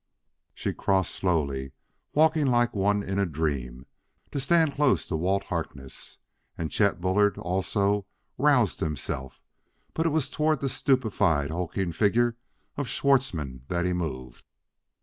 She crossed slowly, walking like one in a dream, to stand close to Walt Harkness. And Chet Bullard also roused himself; but it was toward the stupefied, hulking figure of Schwartzmann that he moved.